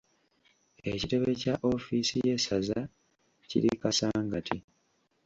Ekitebe kya Ofiisi y'essaza kiri Kasangati.